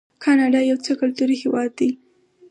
کاناډا یو څو کلتوری هیواد دی.